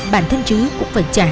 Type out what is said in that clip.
bản thân trứ cũng phải trả